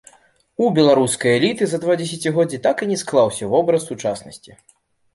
У беларускай эліты за два дзесяцігоддзі так і не склаўся вобраз сучаснасці.